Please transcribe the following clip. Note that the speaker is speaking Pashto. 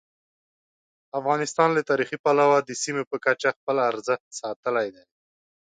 افغانستان له تاریخي پلوه د سیمې په کچه خپل ارزښت ساتلی دی.